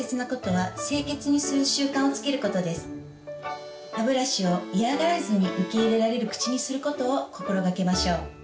歯ブラシを嫌がらずに受け入れられる口にすることを心がけましょう。